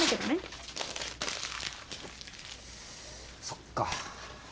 そっか。